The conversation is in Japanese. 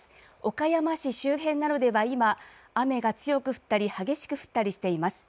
岡山市周辺などでは今雨が強く降ったり激しく降ったりしています。